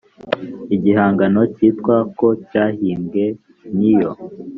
igihangano cyitwa ko cyahimbwe n iyo